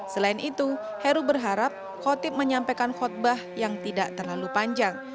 selain itu heru berharap khotib menyampaikan khutbah yang tidak terlalu panjang